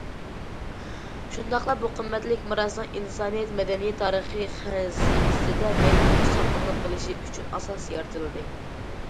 شۇنداقلا، بۇ قىممەتلىك مىراسنىڭ ئىنسانىيەت مەدەنىيەت تارىخى خەزىنىسىدە مەڭگۈ ساقلىنىپ قېلىشى ئۈچۈن ئاساس يارىتىلدى.